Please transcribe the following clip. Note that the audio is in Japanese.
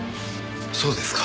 そうですか。